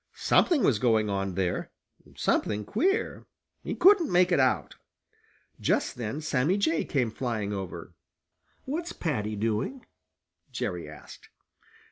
Something was going on there, something queer. He couldn't make it out. Just then Sammy Jay came flying over. "What's Paddy doing?" Jerry asked.